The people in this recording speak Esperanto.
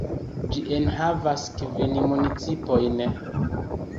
Ĝi enhavas kvin municipojn.